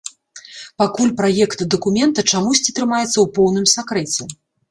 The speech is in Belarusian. Пакуль праект дакумента чамусьці трымаецца ў поўным сакрэце.